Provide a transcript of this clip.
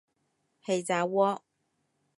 氣炸鍋